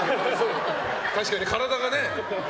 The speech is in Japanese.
確かに体がね。